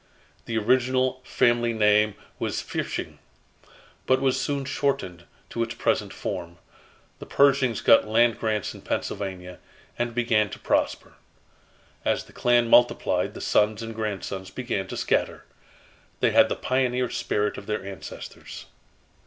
The original family name was Pfirsching, but was soon shortened to its present form. The Pershings got land grants in Pennsylvania, and began to prosper. As the clan multiplied the sons and grandsons began to scatter. They had the pioneer spirit of their ancestors.